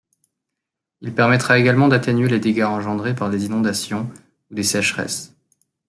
Il permettra également d'atténuer les dégâts engendrés par des inondations ou des sécheresses.